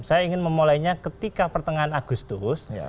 saya ingin memulainya ketika pertengahan agustus